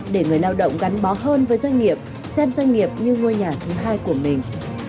để người lao động gắn bó hơn với doanh nghiệp xem doanh nghiệp như ngôi nhà thứ hai của mình